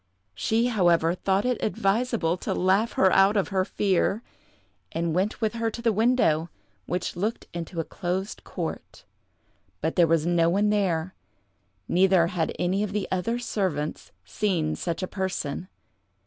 She, however, thought it advisable to laugh her out of her fear, and went with her to the window, which looked into a closed court, but there was no one there, neither had any of the other servants seen such a person.